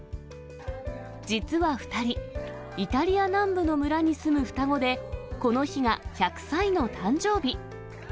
実は２人、イタリア南部の村に住む双子で、この日が１００歳の誕生日。